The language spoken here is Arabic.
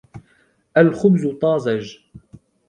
الخبز طازج.